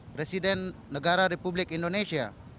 presiden negara republik indonesia